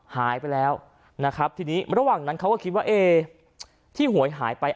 หายไปแล้วนะครับทีนี้ระหว่างนั้นเขาก็คิดว่าเอ๊ที่หวยหายไป